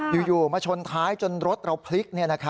อยู่มาชนท้ายจนรถเราพลิก